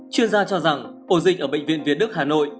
chuyên gia cho rằng ổ dịch ở bệnh viện việt đức hà nội